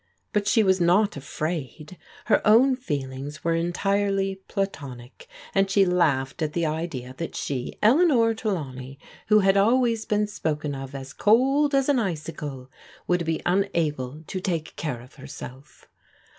But she was not afraid. Her own feelings were entirely platonic, and she laughed at the idea that she, Eleanor Trelawney, who had always been spoken of as cold as an icicle, would be unable to take care of herself.